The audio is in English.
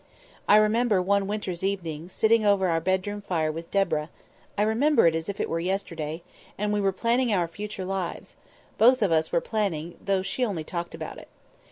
I remember, one winter's evening, sitting over our bedroom fire with Deborah—I remember it as if it were yesterday—and we were planning our future lives, both of us were planning, though only she talked about it.